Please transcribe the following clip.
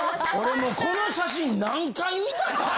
俺もうこの写真何回見たか。